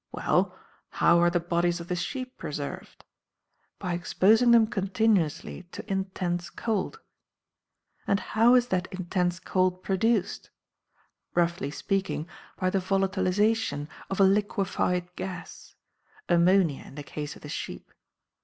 Well, how are the bodies of the sheep preserved? By exposing them continuously to intense cold. And how is that intense cold produced? Roughly speaking, by the volatilization of a liquified gas ammonia, in the case of the sheep.